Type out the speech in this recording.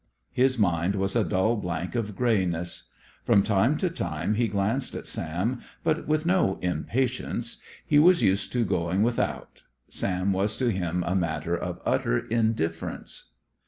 His mind was a dull blank of grayness. From time to time he glanced at Sam, but with no impatience: he was used to going without. Sam was to him a matter of utter indifference.